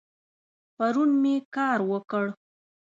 پرون می کار وکړ